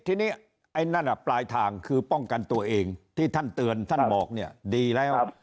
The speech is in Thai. ทีนี้ไอ้นั่นอ่ะปลายทางคือป้องกันตัวเองที่ท่านเตือนท่านบอกเนี่ยดีแล้ว